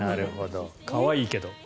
可愛いけど。